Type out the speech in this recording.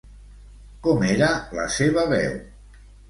Com era la seva veu?